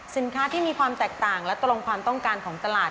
สินค้าที่มีความแตกต่างและตรงความต้องการของตลาด